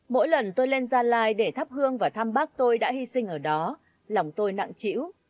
mỗi lần tôi lên gia lai để thắp hương và thăm bác tôi đã hy sinh ở đó lòng tôi nặng chịu